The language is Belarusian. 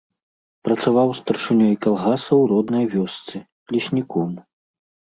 Працаваў старшынёй калгаса ў роднай вёсцы, лесніком.